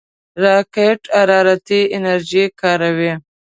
راکټ حرارتي انرژي کاروي